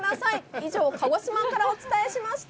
以上、鹿児島からお伝えしました。